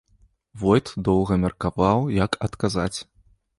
Войт доўга меркаваў, як адказаць.